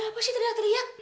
ada apa sih tiba tiba teriak